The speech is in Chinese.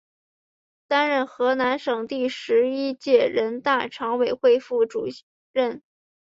担任河南省第十一届人大常委会副主任。